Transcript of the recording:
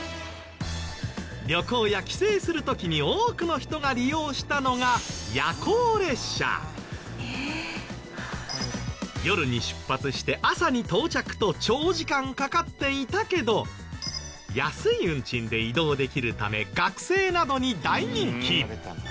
旅行や帰省する時に多くの人が利用したのが夜に出発して朝に到着と長時間かかっていたけど安い運賃で移動できるため学生などに大人気！